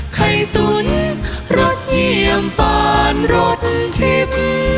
ไข่ตุ้นรสเหยีย่มปานรสถิ่ม